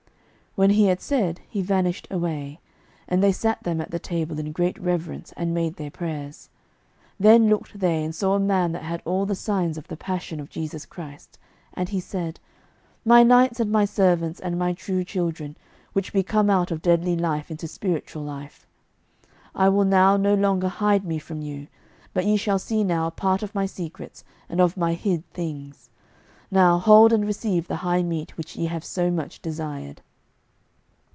When he had said, he vanished away; and they sat them at the table in great reverence, and made their prayers. Then looked they, and saw a man that had all the signs of the passion of Jesu Christ, and he said: "My knights and my servants and my true children, which be come out of deadly life into spiritual life, I will now no longer hide me from you, but ye shall see now a part of my secrets and of my hid things; now hold and receive the high meat which ye have so much desired."